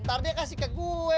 ntar dia kasih ke gue